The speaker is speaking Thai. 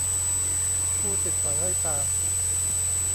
ผู้ติดสอยห้อยตาม